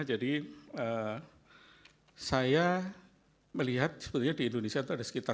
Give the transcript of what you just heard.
jadi saya melihat sebetulnya di indonesia itu ada sekitar sepuluh